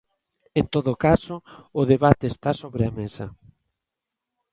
En todo caso, o debate está sobre a mesa.